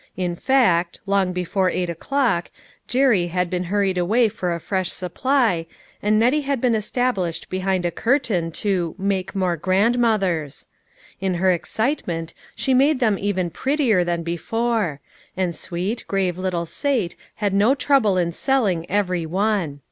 In fact, long before eight o'clock, Jerry had been hurried away for a fresh supply, and Nettie had been established behind a curtain to "make more grandmothers." In her excitement she made them even prettier than before ; and sweet, grave little Sate had no ti'ouble in selling every one.